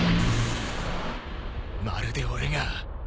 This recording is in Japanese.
まるで俺が。